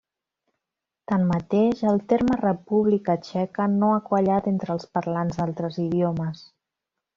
Tanmateix, el terme República Txeca no ha quallat entre els parlants d'altres idiomes.